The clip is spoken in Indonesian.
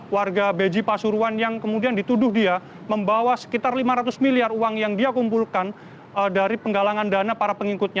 warga beji pasuruan yang kemudian dituduh dia membawa sekitar lima ratus miliar uang yang dia kumpulkan dari penggalangan dana para pengikutnya